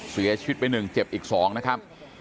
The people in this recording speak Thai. เสียชีวิตไปหนึ่งเจ็บอีกสองนะครับ